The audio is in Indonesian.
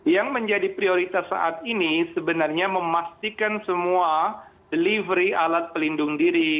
yang menjadi prioritas saat ini sebenarnya memastikan semua delivery alat pelindung diri